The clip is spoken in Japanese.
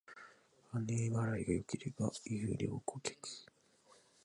金払いが良ければ優良顧客